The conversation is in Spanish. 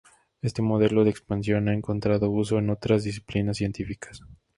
Este modelo de expansión ha encontrado uso en otras disciplinas científicas.